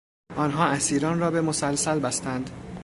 آنها اسیران را به مسلسل بستند.